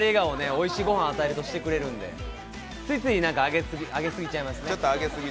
おいしい御飯をあげようとしているんですが、ついついあげすぎちゃいますね。